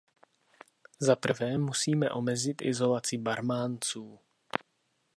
Zaprvé musíme omezit izolaci Barmánců.